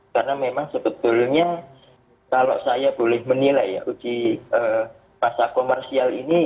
karena memang sebetulnya kalau saya boleh menilai uji masa komersial ini